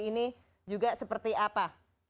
ini juga seperti apa